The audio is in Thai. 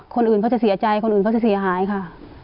คนอื่นเขาจะเสียใจคนอื่นเขาจะเสียหายค่ะ